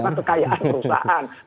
bukan kekayaan perusahaan